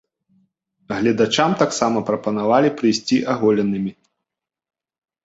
Гледачам таксама прапанавалі прыйсці аголенымі.